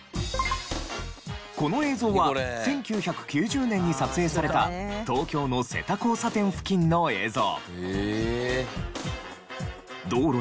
この映像は１９９０年に撮影された東京の瀬田交差点付近の映像。